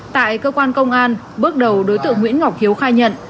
tại cơ quan công an bước đầu đối tượng nguyễn ngọc hiếu khai nhận